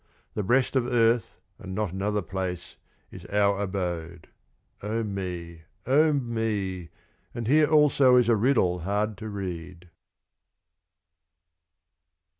The Breast of Earth, and not another Place, is our Abode. O me! O me! and here also is a Riddle hard to read.